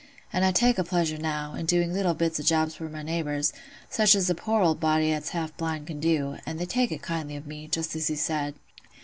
an' I take a pleasure, now, in doing little bits o' jobs for my neighbours—such as a poor old body 'at's half blind can do; and they take it kindly of me, just as he said.